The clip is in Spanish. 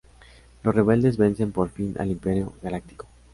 Los rebeldes vencen por fin al Imperio Galáctico.